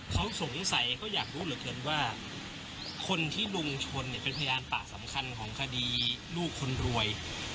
เขาสงสัยเขาอยากรู้เหลือเกินว่าคนที่ลุงชนเนี่ยเป็นพยานปากสำคัญของคดีลูกคนรวย